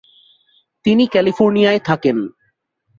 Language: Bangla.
তিনি ক্যালিফোর্নিয়ায় থাকেন।